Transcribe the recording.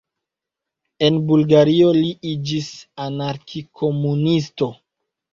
En Bulgario li iĝis anarki-komunisto.